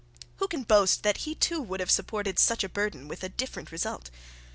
Who can boast that he would have supported such a burden with a different result?